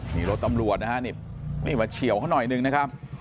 นี่รถตำรวจนะฮะนี่มาเฉียวเขาหน่อยหนึ่งนะครับ